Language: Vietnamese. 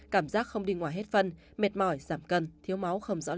cảm giác không đi ngoài hết phân mệt mỏi giảm cân thiếu máu không rõ lý do